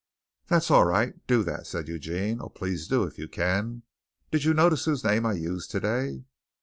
"That's all right. Do that," said Eugene. "Oh, please do, if you can. Did you notice whose name I used today?"